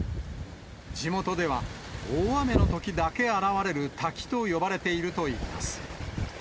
地元では、大雨のときだけ現れる滝と呼ばれているといいます。